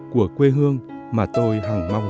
của quê hương mà tôi hằng mong